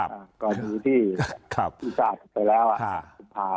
ครับก็ยืนที่ครับแคปไปแล้วภาคนะครับ